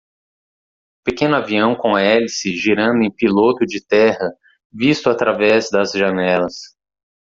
Pequeno avião com hélice girando em piloto de terra visto através das janelas